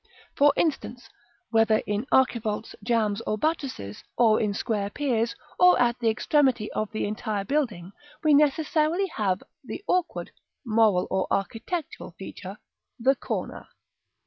For instance, whether, in archivolts, jambs, or buttresses, or in square piers, or at the extremity of the entire building, we necessarily have the awkward (moral or architectural) feature, the corner.